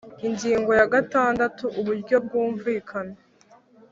Ingingo ya gatandatu Uburyo bwumvikana